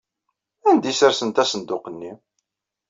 Anda ay ssersent asenduq-nni?